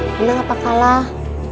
menang apa kalah